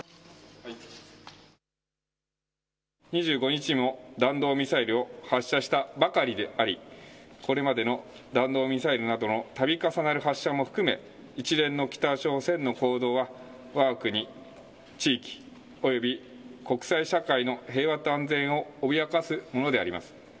２５日にも弾道ミサイルを発射したばかりでありこれまでの弾道ミサイルなどのたび重なる発射も含め一連の北朝鮮の行動はわが国地域、および国際社会の平和と安全を脅かすものであります。